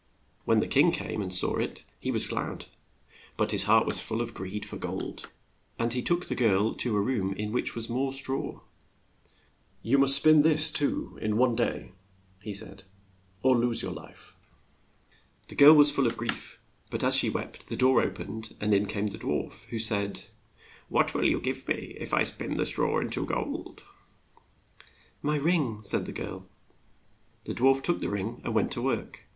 When the king came and saw it he was glad. But his heart was full of greed for gold, and he took the girl to a room in which was more straw. "You must spin this too, in one day," said he, "or you lose your life." The girl was full of grief, but as she wept, the door o pened and in came the dwarf, who said, "What will you give me if I spin the straw in to gold? ' "My ring," said the girl. The dwarf took the ring and went to work.